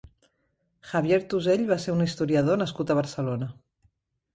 Javier Tusell va ser un historiador nascut a Barcelona.